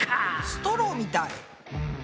ストローみたい。